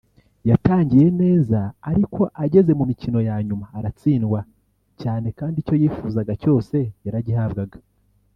yatangiye neza ariko ageze mu mikino ya nyuma aratsindwa cyane kandi icyo yifuzaga cyose yaragihabwaga